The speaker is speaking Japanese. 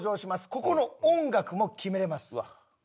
ここの音楽も決められます。